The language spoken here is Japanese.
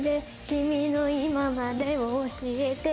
君の今までを教えて。